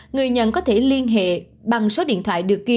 người nhận có thể liên hệ bằng số điện thoại được ghi